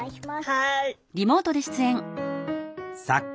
はい。